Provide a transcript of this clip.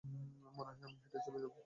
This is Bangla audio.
মনে হয় আমি হেঁটে চলে যাবো।